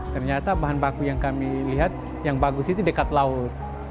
ternyata bahan baku yang kami lihat yang bagus itu dekat laut